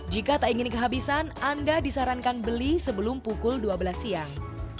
jika tak ingin kehabisan anda disarankan beli sebelum pukul dua belas siang